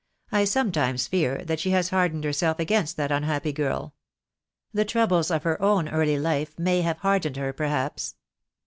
"I sometimes fear that she has hardened herself against that unhappy girl. The troubles of her own early life may have hardened her, perhaps.